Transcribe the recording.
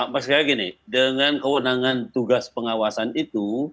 mas fikar gini dengan kewenangan tugas pengawasan itu